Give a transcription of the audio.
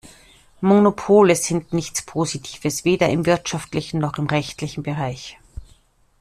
Monopole sind nichts Positives weder im wirtschaftlichen noch im rechtlichen Bereich.